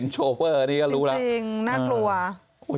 จริงน่ากลัว